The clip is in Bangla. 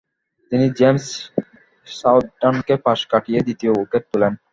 তিনি জেমস সাউদার্টনকে পাশ কাটিয়ে দ্বিতীয় উইকেট তুলেন।